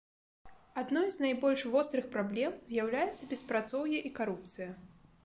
Адной з найбольш вострых праблем з'яўляецца беспрацоўе і карупцыя.